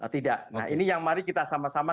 tidak nah ini yang mari kita sama sama